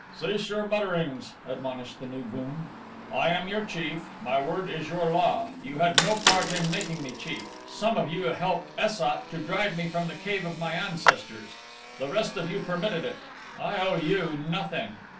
"Cease your mutterings," admonished the new gund. "I am your chief. My word is your law. You had no part in making me chief. Some of you helped Es sat to drive me from the cave of my ancestors; the rest of you permitted it. I owe you nothing.